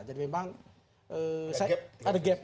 jadi memang ada gap tiga ratus deta